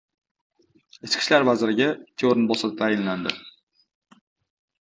Ichki ishlar vaziriga ikki o‘rinbosar tayinlandi